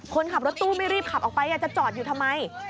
คนขับรถตู้ไม่รีบขับออกไปจะจอดอยู่ทำไม